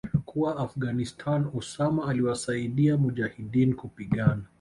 kuwa Afghanistan Osama aliwasaidia mujahideen kupigana